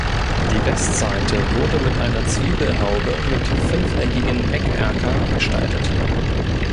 Die Westseite wurde mit einer Zwiebelhaube mit fünfeckigen Eckerker gestaltet.